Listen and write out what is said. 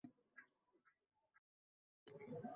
armon